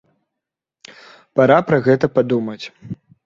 Пара пра гэта падумаць.